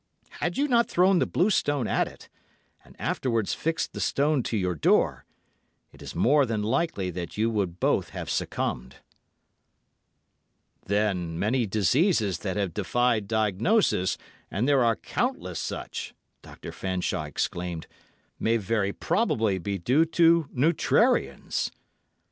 Had you not thrown the blue stone at it, and afterwards fixed the stone to your door, it is more than likely that you would both have succumbed." "Then many diseases that have defied diagnosis, and there are countless such," Dr. Fanshawe exclaimed, "may very probably be due to neutrarians."